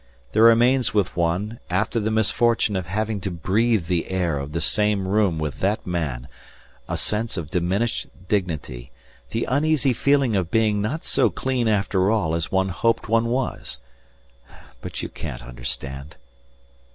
There remains with one, after the misfortune of having to breathe the air of the same room with that man, a sense of diminished dignity, the uneasy feeling of being not so clean after all as one hoped one was.... But you can't understand."